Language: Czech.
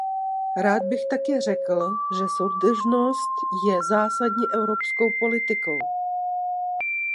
Rád bych také řekl, že soudržnost je zásadní evropskou politikou.